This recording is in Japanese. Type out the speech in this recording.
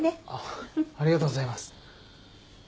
ありがとうございます。